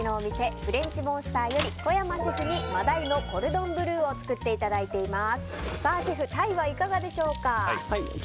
フレンチモンスターより小山シェフに真鯛のコルドンブルーを作っていただいています。